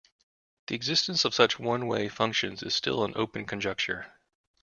The existence of such one-way functions is still an open conjecture.